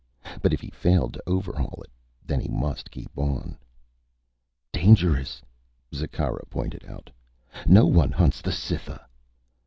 But if he failed to overhaul it, then he must keep on. "Dangerous," Zikkara pointed out. "No one hunts the Cytha."